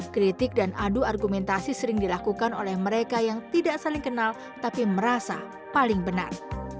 kritik dan adu argumentasi sering dilakukan oleh mereka yang tidak saling kenal tapi merasa paling benar